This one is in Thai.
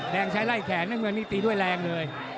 แดงใช้ไล่แขนนั่งเมืองนี้ตีด้วยแรงเลย